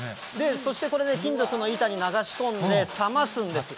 そしてこれね、金属の板に流し込んで冷ますんです。